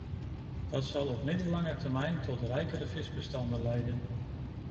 Dat zal op middellange termijn tot rijkere visbestanden leiden.